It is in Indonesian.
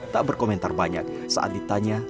tak berkomentar banyak saat ditanya